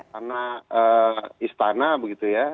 karena istana begitu ya